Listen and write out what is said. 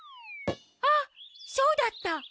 あっそうだった！